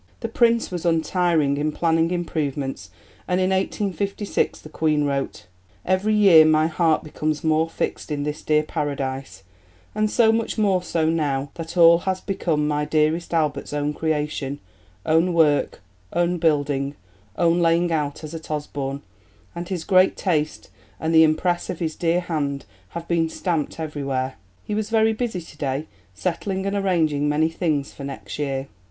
The Prince was untiring in planning improvements, and in 1856 the Queen wrote: "Every year my heart becomes more fixed in this dear Paradise, and so much more so now, that all has become my dearest Albert's own creation, own work, own building, own laying out as at Osborne; and his great taste, and the impress of his dear hand, have been stamped everywhere. He was very busy today, settling and arranging many things for next year."